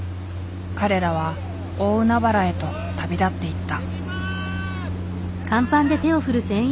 彼らは大海原へと旅立っていった。